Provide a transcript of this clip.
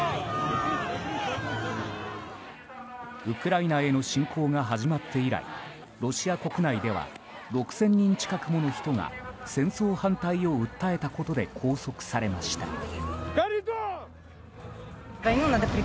ウクライナへの侵攻が始まって以来ロシア国内では６０００人近くもの人が戦争反対を訴えたことで拘束されました。